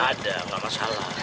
ada enggak ada masalah